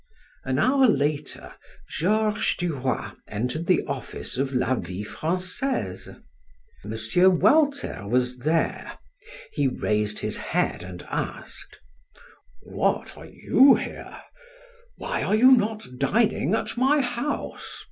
An hour later Georges du Roy entered the office of "La Vie Francaise." M. Walter was there; he raised his head and asked: "What, are you here? Why are you not dining at my house?